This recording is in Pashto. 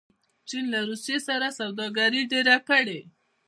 چین له روسیې سره سوداګري ډېره کړې.